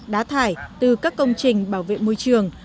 đá thải từ các công trình bảo vệ môi trường